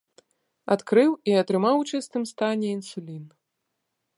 Адкрыў і атрымаў у чыстым стане інсулін.